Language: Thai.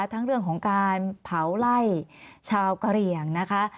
ทั้งเรื่องของการเผาไล่ชาวกะเหลี่ยงนะคะ